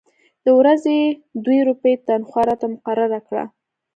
د ورځې دوې روپۍ تنخوا راته مقرره کړه.